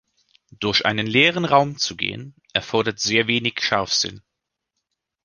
Durch einen leeren Raum zu gehen, erfordert sehr wenig Scharfsinn.